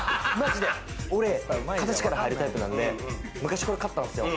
俺、形から入るタイプなんで、昔、これ買ったんすよ。